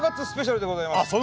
スペシャルでございます。